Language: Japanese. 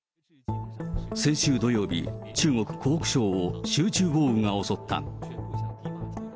先週土曜日、中国・湖北省を集中豪雨が襲った。